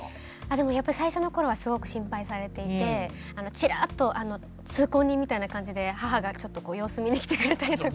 でもやっぱ最初の頃はすごく心配されていてちらっと通行人みたいな感じで母がちょっと様子見に来てくれたりとか。